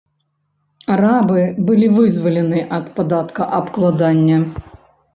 Арабы былі вызвалены ад падаткаабкладання.